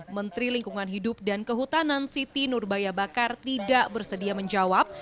menteri lingkungan hidup dan kehutanan siti nurbaya bakar tidak bersedia menjawab